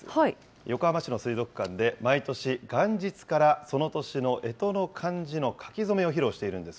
横浜市の水族館で、毎年、元日からその年のえとの漢字の書き初めを披露しているんです